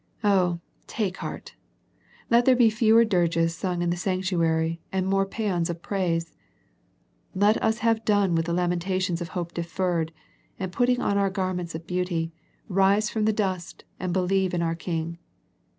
Oh, take heart. Let there be fewer dirges sung in the sanctuary, and more paeans of praise. Let us have done with the lamentations of hope deferred, and putting on our garments of beauty, rise from the dust, and believe in our King.